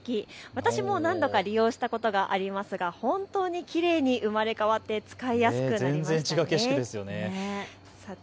私も何度か利用したことがありますが本当にきれいに生まれ変わって使いやすくなりましたね。